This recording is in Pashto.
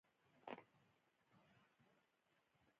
د دې لارښوونې معنا دا ده چې بې ازاره ژوند وکړي.